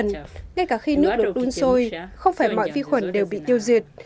ngay cả khi nước được đun sôi không phải mọi vi khuẩn đều bị tiêu diệt